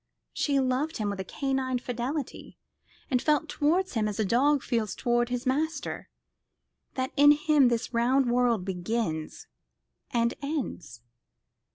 She loved him with a canine fidelity, and felt towards him as a dog feels towards his master that in him this round world begins and ends.